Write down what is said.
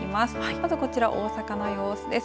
まずこちら大阪の様子です。